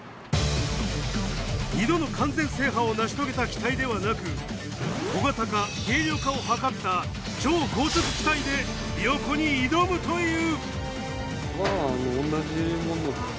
２度の完全制覇を成し遂げた機体ではなく小型化軽量化をはかった超高速機体で琵琶湖に挑むという！